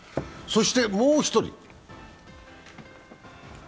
そしてもう一人。